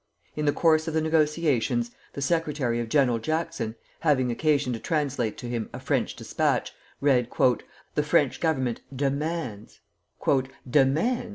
In the course of the negotiations the secretary of General Jackson, having occasion to translate to him a French despatch, read, "The French Government demands " "Demands!"